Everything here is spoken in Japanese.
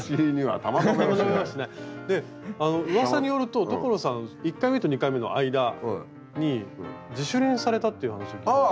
でうわさによると所さん１回目と２回目の間に自主練されたっていう話を聞いたんですが。